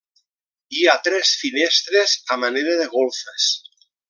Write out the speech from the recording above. Hi ha tres finestres a manera de golfes.